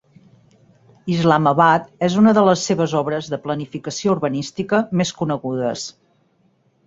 Islamabad és una de les seves obres de planificació urbanística més conegudes.